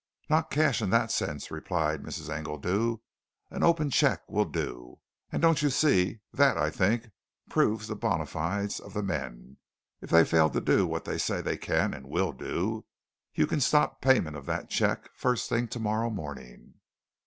"Not cash in that sense," replied Mrs. Engledew. "An open cheque will do. And, don't you see, that, I think, proves the bona fides of the men. If they fail to do what they say they can and will do, you can stop payment of that cheque first thing tomorrow morning."